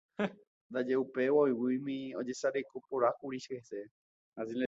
ndaje upe g̃uaig̃uimi ojesarekoporãkuri hese